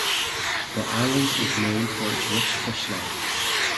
The island is known for its rich fish life.